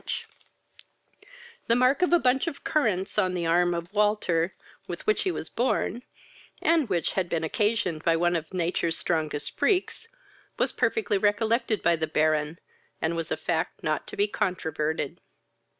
The mark of a bunch of currants on the arm of Walter, with which he was born, and which had been occasioned by one of nature's strongest freaks, was perfectly recollected by the Baron, and was a fact not to be controverted.